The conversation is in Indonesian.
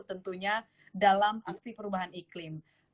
tentunya dalam aksi perubahan iklim